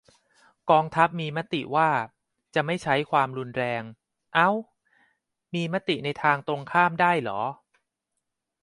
"กองทัพมีมติว่าจะไม่ใช้ความรุนแรง" เอ้า มีมติในทางตรงข้ามได้เหรอ ?